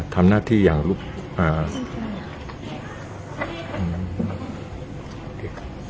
ทำหน้าที่อย่างลูกอ่า